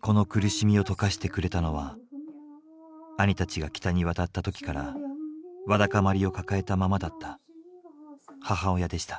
この苦しみをとかしてくれたのは兄たちが北に渡った時からわだかまりを抱えたままだった母親でした。